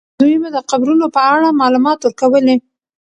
دوی به د قبرونو په اړه معلومات ورکولې.